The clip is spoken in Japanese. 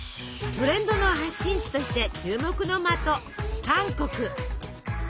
トレンドの発信地として注目の的韓国。